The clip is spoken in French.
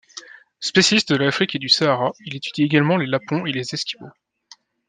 Spécialiste de l'Afrique et du Sahara, il étudie également les Lapons et les Esquimaux.